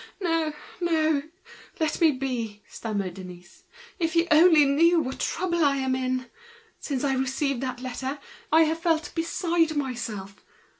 "No, no; let me be," stammered Denise. "If you only knew what trouble I am in! Since I received that letter, I have felt beside myself.